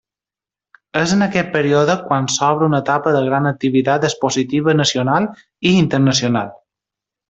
És en aquest període quan s'obre una etapa de gran activitat expositiva nacional i internacional.